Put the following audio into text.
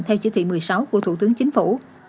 theo chỉ thị một mươi sáu của thủ tướng chính phủ